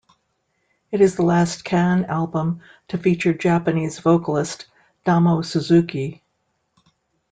It is the last Can album to feature Japanese vocalist Damo Suzuki.